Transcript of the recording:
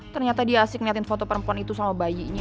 ternyata dia asik ngeliatin foto perempuan itu sama bayinya